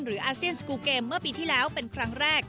อาเซียนสกูลเกมเมื่อปีที่แล้วเป็นครั้งแรก